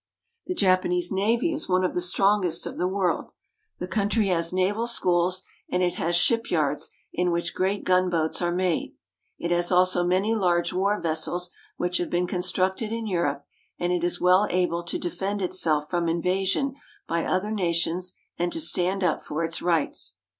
The Japanese navy is one of the strengest of the world. The country has naval schools, and it has ship yards in which great gunboats are made. It has also many large war vessels which have been constructed in Europe, and it is well able to de fend itself from invasion by other nations and to stand up for its rights.